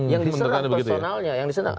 yang diserang personalnya